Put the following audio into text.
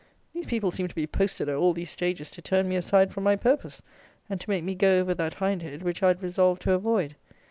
These people seemed to be posted at all these stages to turn me aside from my purpose, and to make me go over that Hindhead, which I had resolved to avoid.